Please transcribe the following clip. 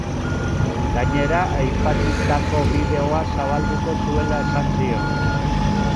Gainera, aipatutako bideoa zabalduko zuela esan zion.